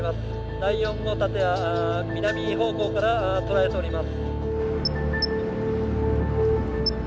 第４号建屋南方向から捉えております」。